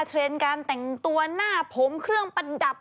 เทรนด์การแต่งตัวหน้าผมเครื่องประดับ